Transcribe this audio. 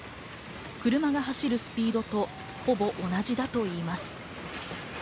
車が走るスピードと、ほぼ同じだといいます。